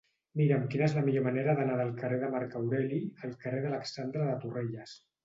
Mira'm quina és la millor manera d'anar del carrer de Marc Aureli al carrer d'Alexandre de Torrelles.